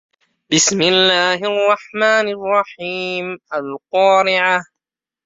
بسم الله الرحمن الرحيم القارعة